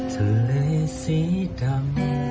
ทะเลสีดำ